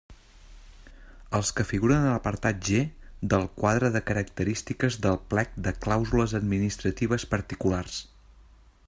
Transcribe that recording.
Els que figuren a l'apartat G del quadre de característiques del plec de clàusules administratives particulars.